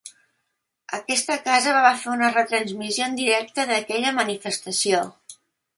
Aquesta casa va fer una retransmissió en directe d’aquella manifestació.